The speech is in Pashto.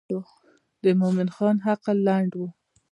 د مومن خان عقل لنډ و.